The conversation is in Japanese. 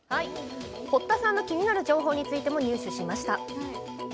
堀田さんの気になる情報についても入手しました。